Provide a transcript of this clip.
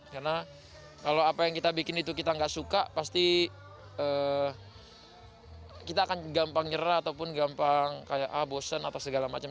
karena kalau apa yang kita bikin itu kita nggak suka pasti kita akan gampang nyerah ataupun gampang bosan atau segala macam